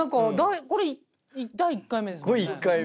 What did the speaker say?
これ第１回目ですもんね。